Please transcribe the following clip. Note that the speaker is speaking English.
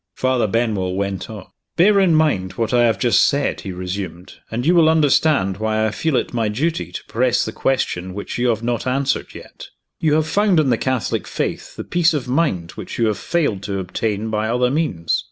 Father Benwell went on. "Bear in mind what I have just said," he resumed; "and you will understand why I feel it my duty to press the question which you have not answered yet. You have found in the Catholic Faith the peace of mind which you have failed to obtain by other means.